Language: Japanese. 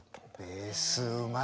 ベースうまい。